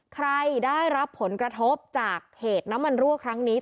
ใครได้รับผลกระทบจากเหตุน้ำมันรั่วครั้งนี้